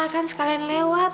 kan sekalian lewat